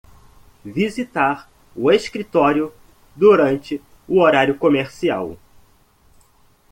Visitar o escritório durante o horário comercial